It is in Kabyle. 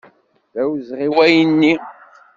D awezɣi wayen-nni.